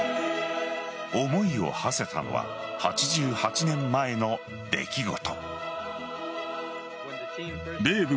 思いをはせたのは８８年前の出来事。